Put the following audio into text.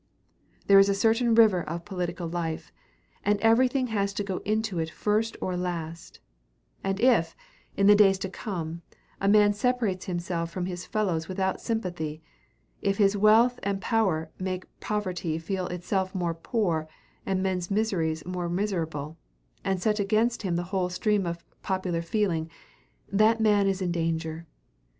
There is a certain river of political life, and everything has to go into it first or last; and if, in days to come, a man separates himself from his fellows without sympathy, if his wealth and power make poverty feel itself more poor and men's misery more miserable, and set against him the whole stream of popular feeling, that man is in danger.